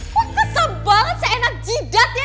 kok kesel banget seenak jidat ya